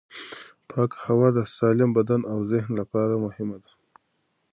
پاکه هوا د سالم بدن او ذهن لپاره مهمه ده.